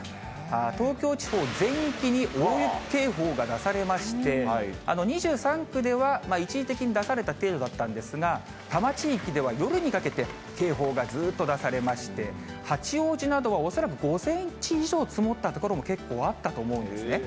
東京地方全域に大雪警報が出されまして、２３区では一時的に出された程度だったんですが、多摩地域では夜にかけて、警報がずっと出されまして、八王子などは恐らく、５センチ以上積もった所も結構あったと思うんですね。